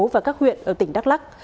và các huyện ở tỉnh đắk lắc